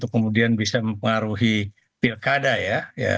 kemudian bisa mempengaruhi pilkada ya